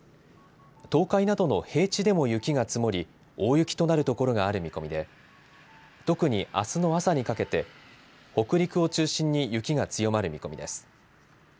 東海などの平地でも雪が積もり大雪となる所がある見込みで特にあすの朝にかけて北陸を中心に雪が強まる見込みです。